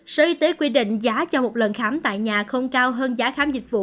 sở y tế quy định giá cho một lần khám tại nhà không cao hơn giá khám dịch vụ